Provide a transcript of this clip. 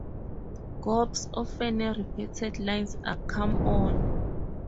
Gob's often repeated lines are Come on!